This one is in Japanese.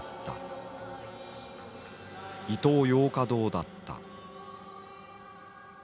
イトーヨーカ堂だった。